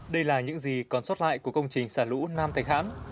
đây là những gì còn sót lại của công trình xã lũ nam thạch hãng